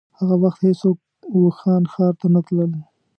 هغه وخت هيڅوک ووهان ښار ته نه تلل.